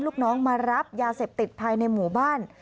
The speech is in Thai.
ลูกน้องมารับยาเสพติดภายในหมู่บ้าน